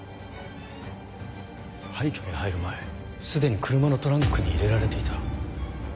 廃虚に入る前すでに車のトランクに入れられていた。